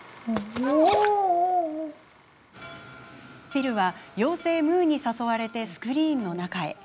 フィルは妖精ムーに誘われてスクリーンの中へ。